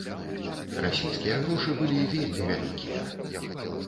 Расійскія грошы былі вельмі вялікія.